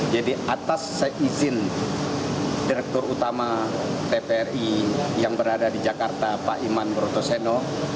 jadi atas saya izin direktur utama tvri yang berada di jakarta pak iman brutuseno